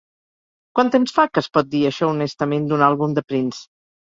Quan temps fa que es pot dir això honestament d'un àlbum de Prince?